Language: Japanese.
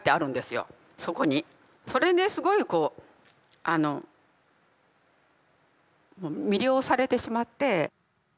それですごいこうあのもう魅了されてしまって。